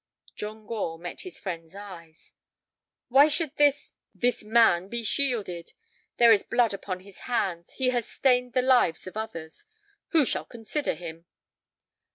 John Gore met his friend's eyes. "Why should this—this man be shielded? There is blood upon his hands; he has stained the lives of others. Who shall consider him?"